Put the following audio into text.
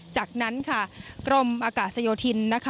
จากนั้นกรมอากาศโยธิน